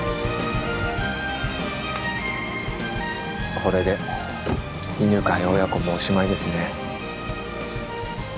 これで犬飼親子もおしまいですね。